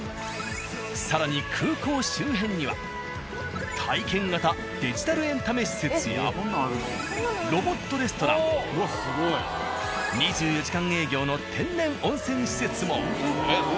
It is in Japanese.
更に空港周辺には体験型デジタルエンタメ施設やロボットレストラン２４時間営業の天然温泉施設も。